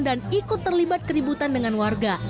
dan ikut terlibat keributan dengan warga